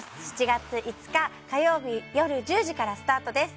７月５日火曜日よる１０時からスタートです